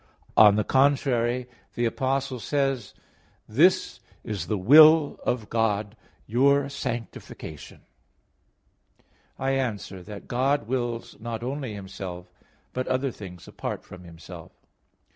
On the contrary, The Apostle says (1 Thess. 4:3): "This is the will of God, your sanctification." I answer that, God wills not only Himself, but other things apart from Himself.